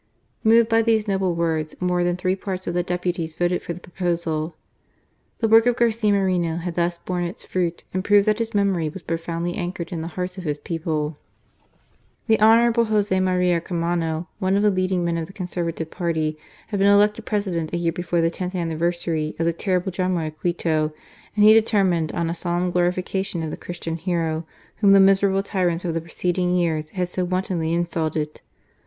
Moved by these noble words, more than three parts of the deputies, voted for the proposal. The work of Garcia Moreno had thus borne its fruit and proved that his memory was profoundly anchored in the hearts of his people. THE REPUBLIC OF THE SACRED HEART. 327 The Honourable Jose Maria Caamano, one of the leading men of the Conservative party, had been elected President a year before the tenth anniversary of the terrible drama at Quito, and he determined on a solemn glorification of the Christian hero whom the miserable tyrants of the preceding years had so wantonly insulted.